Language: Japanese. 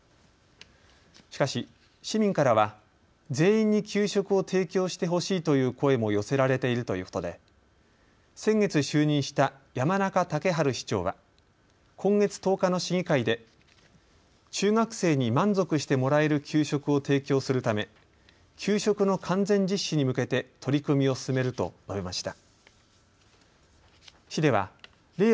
しかし市民からは全員に給食を提供してほしいという声も寄せられているということで先月、就任した山中竹春市長は今月１０日の市議会で中学生に満足してもらえる給食を提供するため給食の完全実施に向けて取り組みを進めると述べました。